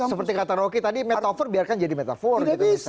seperti kata rocky tadi metafor biarkan jadi metafor gitu